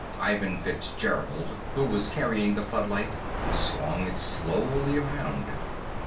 Ivan Fitzgerald, who was carrying the floodlight, swung it slowly around.